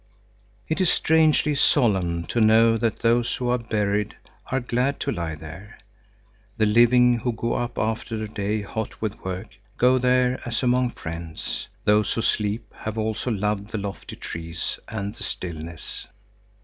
It is strangely solemn to know that those who are buried are glad to lie there. The living who go up after a day hot with work, go there as among friends. Those who sleep have also loved the lofty trees and the stillness.